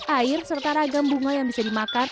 air serta ragam bunga yang bisa dimakan